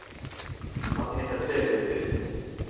ہم نہتے رہ گئے۔